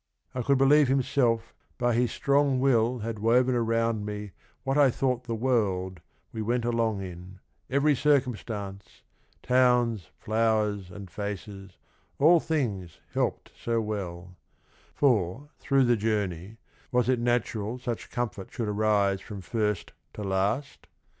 "I could believe himself by his strong will Had woven around me what I thought the world We went along in, every circumstance, Towns, flowers and faces, all things helped so well 1 For, through the journey, was it natural Such comfort should arise from first to last?